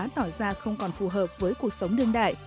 tỏ ra không còn phù hợp với cuộc sống đương đại